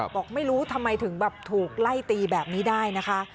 บอกไม่รู้ทำไมถึงแบบถูกไล่ตีแบบนี้ได้นะคะ